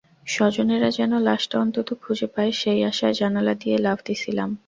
স্বজনেরা যেন লাশটা অন্তত খুঁজে পায় সেই আশায় জানালা দিয়া লাফ দিছিলাম।